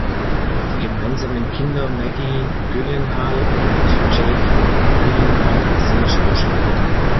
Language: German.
Die gemeinsamen Kinder Maggie Gyllenhaal und Jake Gyllenhaal sind Schauspieler.